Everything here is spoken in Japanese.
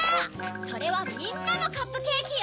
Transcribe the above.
それはみんなのカップケーキよ！